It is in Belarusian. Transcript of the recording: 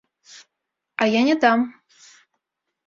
А я не дам!